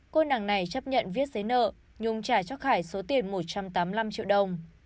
cô nàng này chấp nhận viết giấy nợ nhung trả cho khải số tiền một trăm tám mươi năm triệu đồng